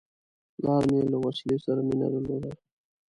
پلار مې له وسلې سره مینه درلوده.